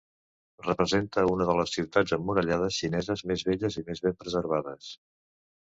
Representa una de les ciutats emmurallades xineses més velles i més ben preservades.